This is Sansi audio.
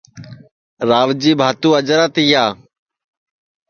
راوجی بھاتُو اجرا تِیا